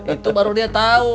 itu baru dia tau